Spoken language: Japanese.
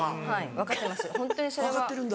分かってます